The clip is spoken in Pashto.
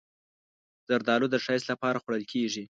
زردالو د ښایست لپاره خوړل کېږي.